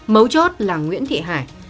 mấu chốt là nguyễn thị hải